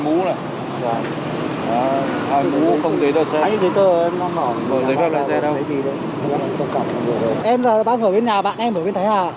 hai mũ không giấy tờ em đang ngồi ở bên nhà bạn em ở bên thái hà